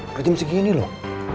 udah jam segini loh